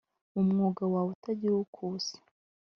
Mu mwuga wawe utagira uko usa